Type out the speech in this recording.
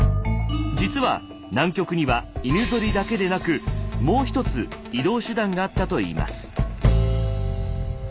実は南極には犬ゾリだけでなくもうひとつ移動手段があったといいます。